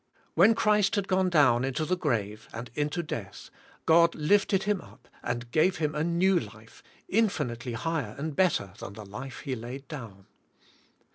When Christ had gone down into the grave and into death, God lifted Him up and gave Him a new life, infinitely higher and better than the life He laid down.